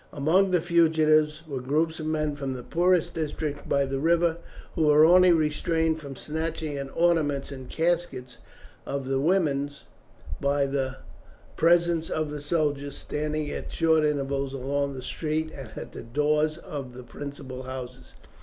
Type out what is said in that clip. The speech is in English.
Among the fugitives were groups of men from the poorest districts by the river, who were only restrained from snatching at the ornaments and caskets of the women by the presence of the soldiers, standing at short intervals along the street and at the doors of the principal houses.